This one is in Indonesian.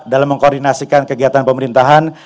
dalam mengkoordinasikan kegiatan pemerintahan